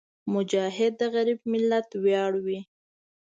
مجاهد د غریب ملت ویاړ وي.